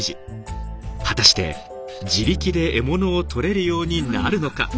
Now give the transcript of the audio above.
果たして自力で獲物をとれるようになるのか？